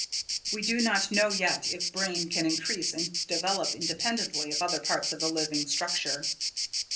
We do not know yet if brain can increase and develop independently of other parts of the living structure.